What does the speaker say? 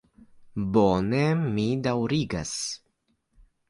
Bone, mi daŭrigas.